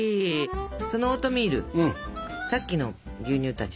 そのオートミールさっきの牛乳たち。